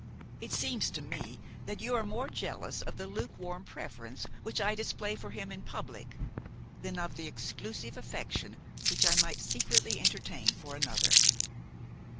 It seems to me that you are more jealous of the lukewarm preference which I display for him in public than of the exclusive affection which I might secretly entertain for another."